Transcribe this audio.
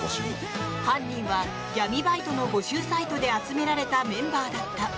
犯人は闇バイトの募集サイトで集められたメンバーだった。